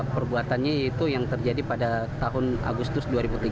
perbuatannya itu yang terjadi pada tahun agustus dua ribu tiga belas